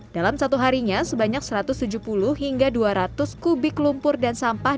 dalam satu harinya sebanyak satu ratus tujuh puluh hingga dua ratus kubik lumpur dan sampah